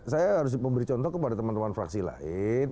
saya harus memberi contoh kepada teman teman fraksi lain